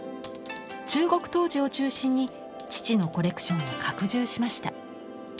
中国陶磁を中心に父のコレクションを拡充しました。